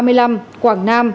ba mươi năm quảng nam chín